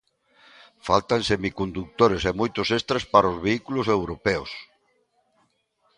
Faltan semicondutores e moitos extras para os vehículos europeos.